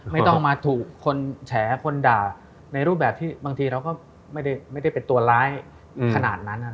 ไม่ต้องมาถูกคนแฉคนด่าในรูปแบบที่บางทีเราก็ไม่ได้เป็นตัวร้ายขนาดนั้น